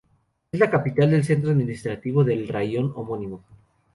Es la capital del centro administrativo del raión homónimo.